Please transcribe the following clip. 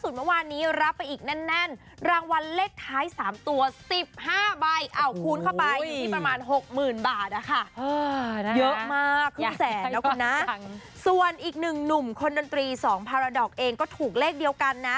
เยอะมากครึ่งแสนนะคุณนะส่วนอีกหนึ่งหนุ่มคนดนตรีสองพาราดอกเองก็ถูกเลขเดียวกันนะ